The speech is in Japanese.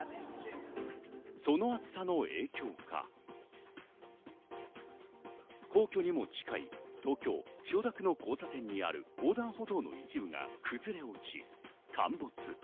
その暑さの影響か、皇居にも近い東京・千代田区の交差点にある横断歩道の一部が崩れ落ち、陥没。